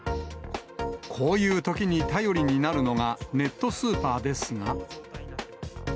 こういうときに頼りになるのがネットスーパーですが。